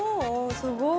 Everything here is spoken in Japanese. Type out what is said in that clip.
すごい！」